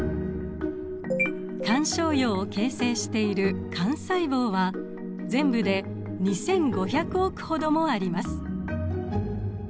肝小葉を形成している肝細胞は全部で２，５００億ほどもあります。